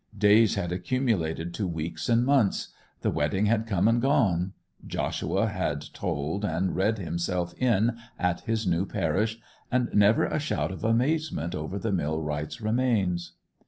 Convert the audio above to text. Days had accumulated to weeks and months; the wedding had come and gone: Joshua had tolled and read himself in at his new parish; and never a shout of amazement over the millwright's remains.